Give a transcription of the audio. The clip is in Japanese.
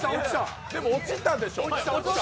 でも落ちたでしょ。